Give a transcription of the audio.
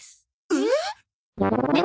えっ？